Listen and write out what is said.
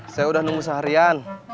saya udah nunggu seharian